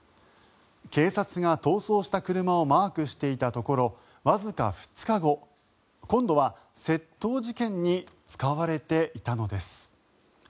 警察が逃走した車をマークしていたところわずか２日後、今度は窃盗事件に使われていたのです。